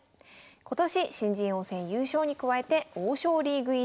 今年新人王戦優勝に加えて王将リーグ入り。